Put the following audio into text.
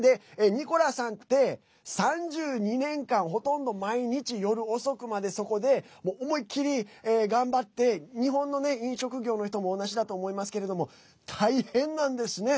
ニコラさんって３２年間ほとんど毎日、夜遅くまでそこで思い切り頑張って日本の飲食業の人も同じだと思いますけれども大変なんですね。